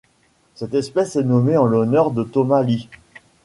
Cette espèce est nommée en l'honneur de Thomas Lee.